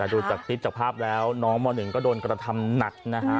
ดูจากคลิปจากภาพแล้วน้องม๑ก็โดนกระทำหนักนะฮะ